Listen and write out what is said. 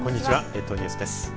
列島ニュースです。